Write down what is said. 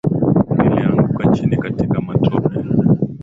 Nilianguka chini katika matope.